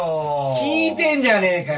聞いてるじゃねえかよ